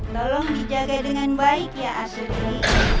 tolong dijaga dengan baik ya asli